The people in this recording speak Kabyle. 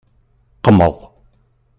Qmeḍ.